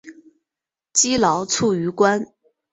积劳卒于官。